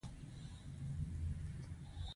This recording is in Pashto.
دا د همغه رنسانس د ایجاد براکت دی.